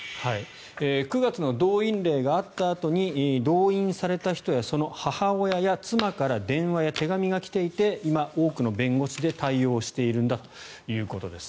９月の動員令があったあとに動員された人やその母親や妻から電話や手紙が来ていて今、多くの弁護士で対応しているんだということです。